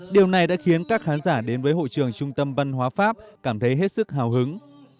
điều này đã khiến các khán giả đến với hội trường trung tâm văn hóa pháp cảm thấy hết sức hào hứng